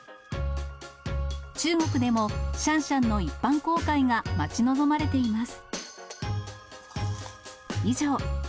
中国でも、シャンシャンの一般公開が待ち望まれています。